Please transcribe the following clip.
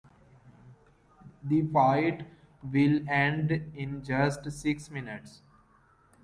The fight will end in just six minutes.